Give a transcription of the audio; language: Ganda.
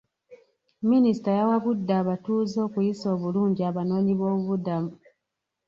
Minisita yawabudde abatuuze okuyisa obulungi abanoonyiboobubudamu.